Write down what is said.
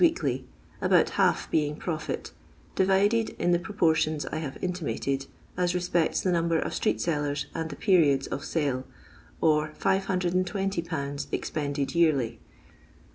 weekly, about half being profit, divided in the proportions I have intimated, as respects the number of street sellers and the periods of sale ; or 520/. expended yearly.